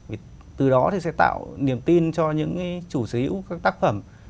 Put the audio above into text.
vì từ đó thì sẽ tạo niềm tin cho những chủ sở hữu các tác phẩm